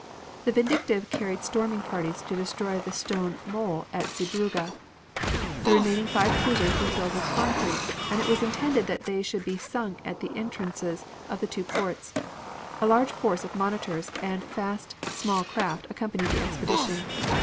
The Vindictive carried storming parties to destroy the stone mole at Zeebrugge; the remaining five cruisers were filled with concrete, and it was intended that they should be sunk in the entrances of the two ports. A large force of monitors and small fast craft accompanied the expedition.